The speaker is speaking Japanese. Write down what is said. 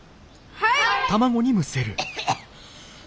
はい。